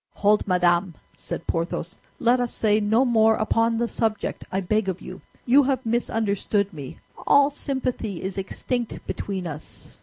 "Hold, madame," said Porthos, "let us say no more upon the subject, I beg of you. You have misunderstood me, all sympathy is extinct between us."